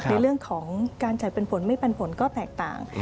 ในเรื่องของการจ่ายเป็นผลไม่ปันผลก็แตกต่าง